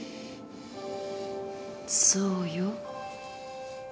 そうよ。